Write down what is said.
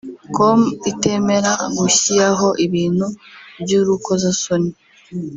com itemera gushyiraho ibintu by’urukozasoni